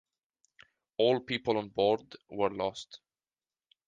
All people on board were lost.